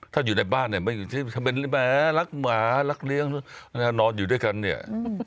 ถ้าอยู่ในบ้านเหมาะลักหมาวลักเหลี้ยวนอนอยู่ด้วยกันเนี่ย